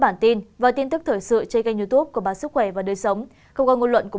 bản tin và tin tức thời sự trên kênh youtube của bản sức khỏe và đời sống không qua ngôn luận của